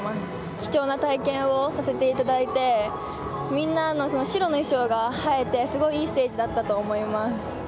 貴重な体験をさせていただいてみんなの白の衣装が映えてすごい、いいステージだったと思います。